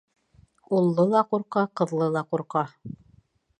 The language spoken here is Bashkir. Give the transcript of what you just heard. Уллы ла ҡурҡа, ҡыҙлы ла ҡурҡа.